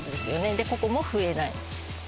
でここも増えない。